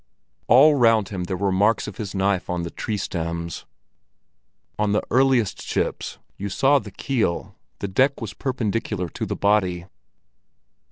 All round him there were marks of his knife on the tree stems. On the earliest ships you saw the keel, the deck was perpendicular to the body.